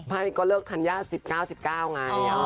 ใช่ก็เลิกทานยา๑๙๔๙มม